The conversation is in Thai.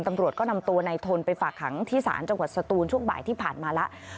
ตำรวจก็นำตัวในทนไปฝากขังที่ศาลจังหวัดสตูนช่วงบ่ายที่ผ่านมาแล้ว